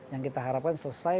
yang kita harapkan selesai